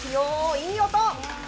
いい音。